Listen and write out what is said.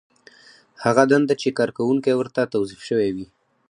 هغه دنده چې کارکوونکی ورته توظیف شوی وي.